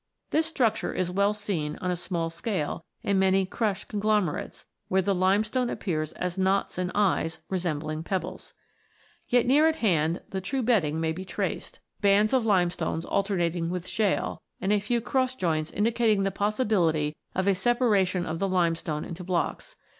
This structure is well seen on a small scale in many " crush conglomerates," where the limestone appears as knots and eyes, resembling pebbles. Yet near at hand the true bedding may be traced, bands of ii] THE LIMESTONES 29 limestone alternating with shale, and a few cross joints indicating the possibility of a separation of the limestone into blocks.